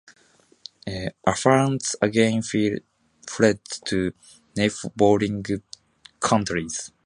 Afghans again fled to neighboring countries.